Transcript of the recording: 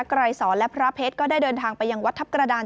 ไกรสอนและพระเพชรก็ได้เดินทางไปยังวัดทัพกระดาน